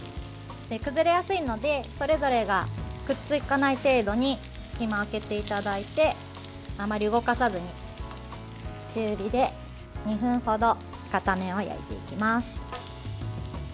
崩れやすいのでそれぞれがくっつかない程度に隙間を空けていただいてあまり動かさずに中火で２分ほど片面を焼いていきます。